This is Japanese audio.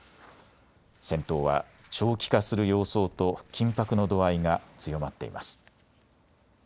戦闘は長期化する様相と緊迫の度合いが強まっています。